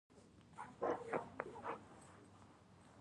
افغانستان په انګور باندې تکیه لري.